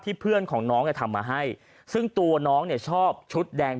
เพื่อนของน้องเนี่ยทำมาให้ซึ่งตัวน้องเนี่ยชอบชุดแดง